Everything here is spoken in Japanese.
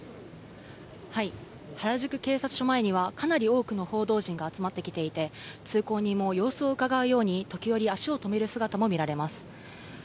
原宿警察署前には、かなり多くの報道陣が集まってきていて、通行人も様子をうかがうように時折、足を止める姿も見られます。